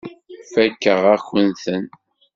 Fakeɣ-akent-ten.